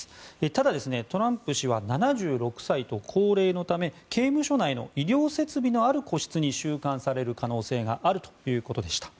ただ、トランプ氏は７６歳と高齢のため刑務所内の医療設備のある個室に収監される可能性があるということでした。